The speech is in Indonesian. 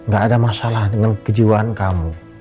gak ada masalah dengan kejiwaan kamu